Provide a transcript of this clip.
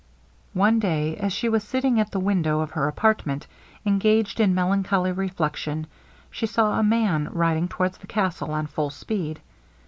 One day, as she was sitting at the window of her apartment, engaged in melancholy reflection, she saw a man riding towards the castle on full speed.